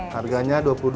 harganya dua puluh dua ribu